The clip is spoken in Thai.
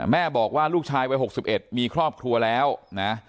แม่บอกว่าลูกชายวัยหกสิบเอ็ดมีครอบครัวแล้วนะ